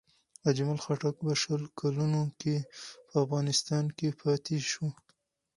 اجمل خټک په شل کلونو کې په افغانستان کې پاتې شو.